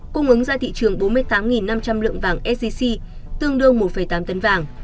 cung ứng ra thị trường bốn mươi tám năm trăm linh lượng vàng sgc tương đương một tám tấn vàng